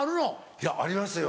いやありますよ